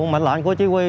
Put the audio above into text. mạnh lãnh của chỉ huy